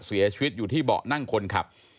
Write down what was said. เสียชีวิตอยู่ที่เบาะนั่งคนขับ